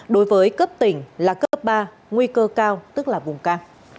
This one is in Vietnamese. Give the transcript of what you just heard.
đối với cấp tỉnh là cấp ba nguy cơ cao tức là vùng ca